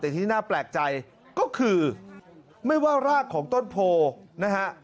แต่ที่น่าแปลกใจก็คือไม่ว่ารากของต้นโพนะฮะ